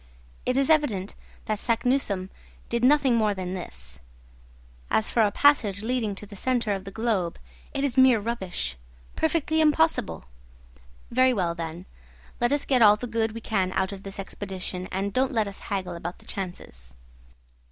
It is evident that Saknussemm did nothing more than this. As for a passage leading to the centre of the globe, it is mere rubbish! perfectly impossible! Very well, then; let us get all the good we can out of this expedition, and don't let us haggle about the chances."